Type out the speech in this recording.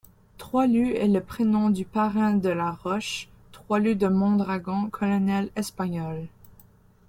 Troilus est le prénom du parrain de La Roche, Troilus de Mondragon, colonel espagnol.